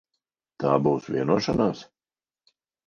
Tā būs vienošanās?